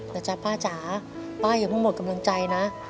จ๊ะป้าจ๋าป้าอย่าเพิ่งหมดกำลังใจนะ